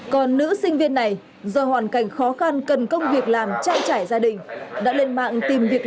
còn nữ sinh viên này do hoàn cảnh khó khăn cần công việc làm trang trải gia đình đã lên mạng tìm việc làm